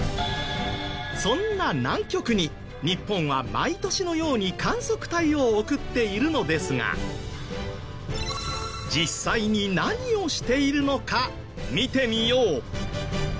そんな南極に日本は毎年のように観測隊を送っているのですが実際に何をしているのか見てみよう。